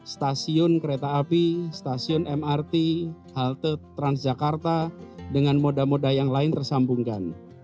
stasiun kereta api stasiun mrt halte transjakarta dengan moda moda yang lain tersambungkan